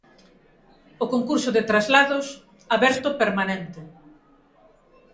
O concurso de traslados, aberto permanente.